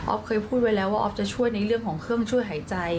เคยพูดไว้แล้วว่าออฟจะช่วยในเรื่องของเครื่องช่วยหายใจ